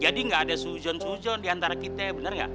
jadi gak ada sujon sujon diantara kita ya kan